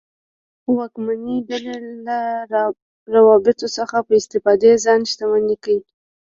واکمنې ډلې له روابطو څخه په استفادې ځان شتمن کړ.